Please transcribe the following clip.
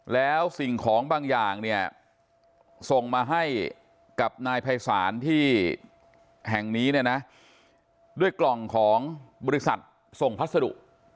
แล้วสิ่งของบางอย่างเนี่ยส่งมาให้กับนายภัยศาลที่แห่งนี้เนี่ยนะด้วยกล่องของบริษัทส่งพัสดุ